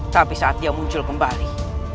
tapi saat dia muncul kembali